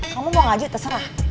kamu ngajih terserah